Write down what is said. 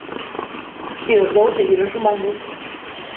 E os dous seguiron sumando.